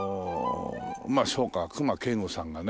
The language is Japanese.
まあそうか隈研吾さんがね。